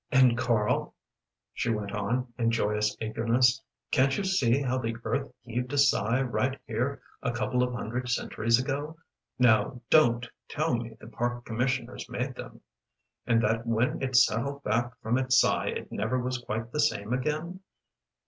"And, Karl," she went on, in joyous eagerness, "can't you see how the earth heaved a sigh right here a couple of hundred centuries ago now don't tell me the park commissioners made them! and that when it settled back from its sigh it never was quite the same again?